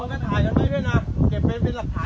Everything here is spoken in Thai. มากเอาไปเลย